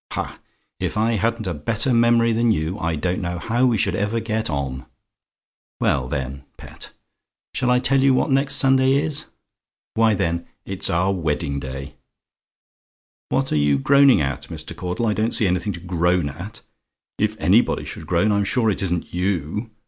"Ha! if I hadn't a better memory than you, I don't know how we should ever get on. Well, then, pet, shall I tell you what next Sunday is? Why, then, it's our wedding day What are you groaning at, Mr. Caudle? I don't see anything to groan at. If anybody should groan, I'm sure it isn't you.